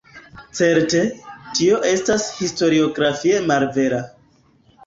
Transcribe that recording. Certe, tio estas historiografie malvera.